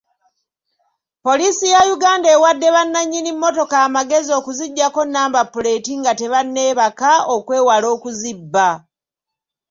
Poliisi ya Uganda ewadde bannanyini mmotoka amagezi okuziggyako namba puleeti nga tebanneebaka okwewala okuzibba.